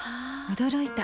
驚いた。